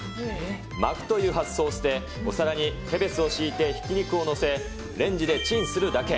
巻くという発想を捨て、お皿にキャベツを敷いてひき肉を載せ、レンジでチンするだけ。